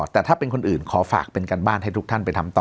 แต่ถ้าเป็นคนอื่นขอฝากเป็นการบ้านให้ทุกท่านไปทำต่อ